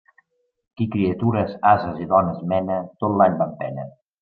Qui criatures, ases i dones mena, tot l'any va en pena.